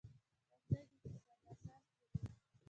ښوونځی د اقتصاد اساس جوړوي